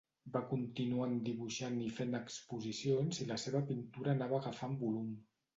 Va continuant dibuixant i fent exposicions i la seva pintura anava agafant volum.